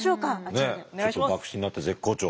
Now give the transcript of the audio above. ねえちょっと幕臣になって絶好調。